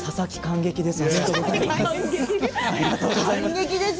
ありがとうございます。